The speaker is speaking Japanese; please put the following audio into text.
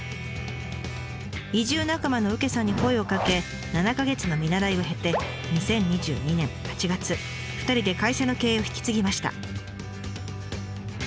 移住仲間のうけさんに声をかけ７か月の見習いを経て２０２２年８月２人で会社の経営を引き継ぎました。